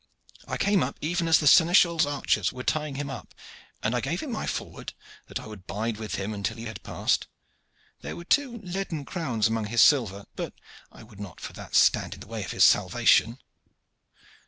I came up even as the seneschal's archers were tying him up, and I gave him my fore word that I would bide with him until he had passed. There were two leaden crowns among the silver, but I would not for that stand in the way of his salvation."